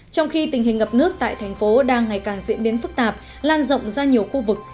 trong khi tình hình ngập nước tại thành phố đang ngày càng diễn biến phức tạp lan rộng ra nhiều khu vực